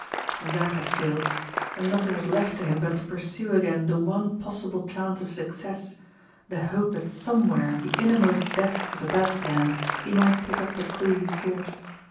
And that had failed, and nothing was left to him but to pursue again the one possible chance of success, the hope that somewhere in the innermost depths of the Bad Lands he might pick up the clue he sought.